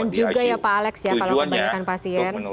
tujuannya untuk menurunkan mortalitas